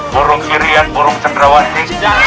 burung sirian burung cendrawati